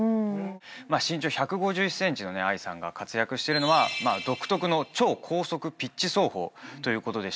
身長１５１ｃｍの藍さんが活躍してるのは独特の超高速ピッチ走法ということでしたが。